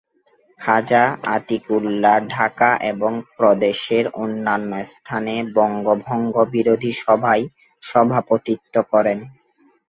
খাজা আতিকুল্লাহ ঢাকা এবং প্রদেশের অন্যান্য স্থানে বঙ্গভঙ্গ বিরোধী সভায় সভাপতিত্ব করেন।